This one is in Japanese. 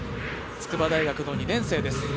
筑波大学の２年生です。